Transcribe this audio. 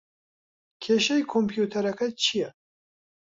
کێشەی کۆمپیوتەرەکەت چییە؟